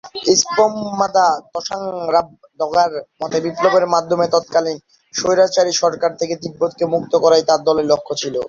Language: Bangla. স্পোম-ম্দা'-ত্শাং-রাব-দ্গা'র মতে বিপ্লবের মাধ্যমে তৎকালীন 'স্বৈরাচারী' সরকার থেকে তিব্বতকে মুক্ত করাই তার দলের লক্ষ্য ছিল।